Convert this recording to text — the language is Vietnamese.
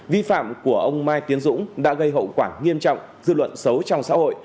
vi phạm của ông mai tiến dũng đã gây hậu quả nghiêm trọng dư luận xấu trong xã hội